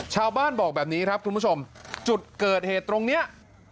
ชาวบ้านบอกแบบนี้ครับคุณผู้ชมจุดเกิดเหตุตรงนี้